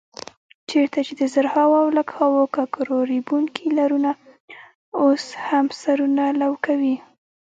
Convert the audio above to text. چېرته چې د زرهاو او لکهاوو ککرو ریبونکي لرونه اوس هم سرونه لو کوي.